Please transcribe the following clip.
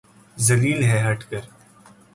ذلیل ہے ہٹ کر